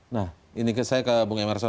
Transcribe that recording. nah ini saya ke bung emerson